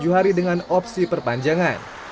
tujuh hari dengan opsi perpanjangan